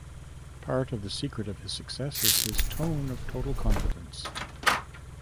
Part of the secret of his success is his tone of total confidence.